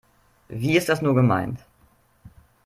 Wie ist das nur gemeint?